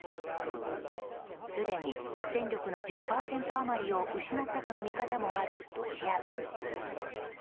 すでに戦力の１０％余りを失ったとの見方もあるロシア軍。